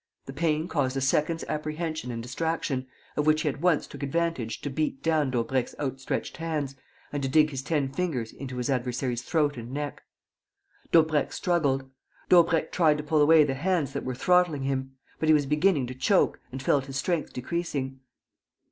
The pain caused a second's apprehension and distraction, of which he at once took advantage to beat down Daubrecq's outstretched hands and to dig his ten fingers into his adversary's throat and neck. Daubrecq struggled. Daubrecq tried to pull away the hands that were throttling him; but he was beginning to choke and felt his strength decreasing.